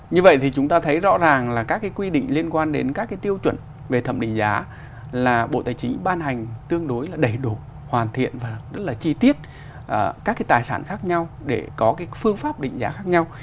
như vậy thì chúng ta thấy rõ ràng là các cái quy định liên quan đến các cái tiêu chuẩn về thẩm định giá là bộ tài chính ban hành tương đối là đầy đủ hoàn thiện và rất là chi tiết các cái tài sản khác nhau để có cái phương pháp định giá khác nhau